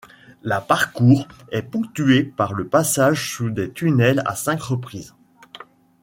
La parcours est ponctué par le passage sous des tunnels à cinq reprises.